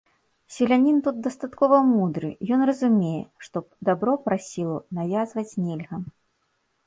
Селянін тут дастаткова мудры, ён разумее, што дабро праз сілу навязваць нельга.